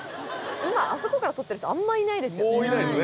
今あそこから取ってる人あんまいないですよね